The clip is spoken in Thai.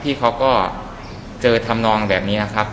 พี่เขาก็เจอทำนองแบบนี้ครับ